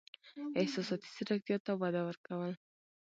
احساساتي زیرکتیا ته وده ورکول: